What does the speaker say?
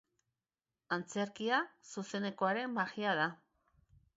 Antzerkia zuzenekoaren magia da.